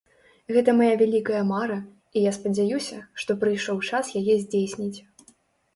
Гэта мая вялікая мара, і я спадзяюся, што прыйшоў час яе здзейсніць!